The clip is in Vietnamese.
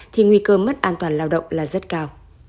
thì nguy cơ mất an toàn lao động là rất cao